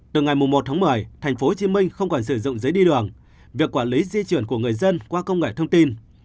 từ ngày một tháng một mươi tp hcm không còn sử dụng giấy đi đường việc quản lý di chuyển của người dân qua công nghệ thông tin